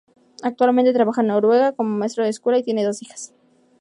Actualmente trabaja en Noruega como maestro de escuela y tiene dos hijas.